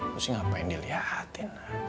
mesti ngapain diliatin